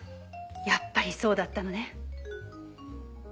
やっぱりそうだったのね。